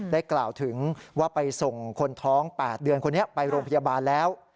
กล่าวถึงว่าไปส่งคนท้อง๘เดือนคนนี้ไปโรงพยาบาลแล้ว